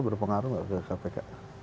berpengaruh gak ke kpk